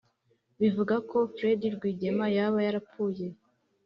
bivuga ko fred rwigema yaba yarapfuye